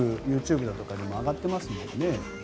よくＹｏｕＴｕｂｅとかにも上がってますもんね。